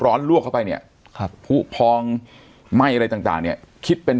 ลวกเข้าไปเนี่ยครับผู้พองไหม้อะไรต่างเนี่ยคิดเป็น